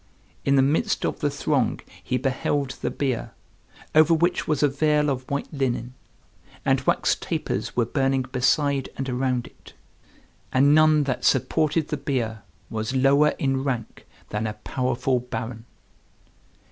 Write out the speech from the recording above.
In the midst of the throng he beheld the bier, over which was a veil of white linen; and wax tapers were burning beside and around it; and none that supported the bier was lower in rank than a powerful baron.